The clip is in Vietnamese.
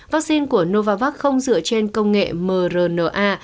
vaccine của novavax không dựa trên công nghệ mrna